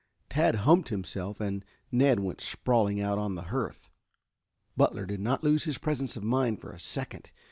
Tad humped himself, and Ned went sprawling out on the hearth. Butler did not lose his presence of mind for a second.